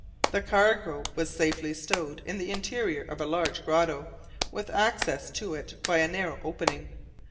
The cargo was safely stowed in the interior of a large grotto, with access to it by a narrow opening.